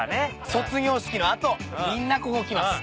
卒業式の後みんなここ来ます。